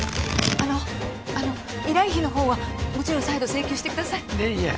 あのあの依頼費の方はもちろん再度請求してくださいいえいえ